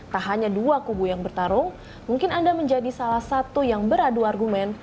tak hanya dua kubu yang bertarung mungkin anda menjadi salah satu yang beradu argumen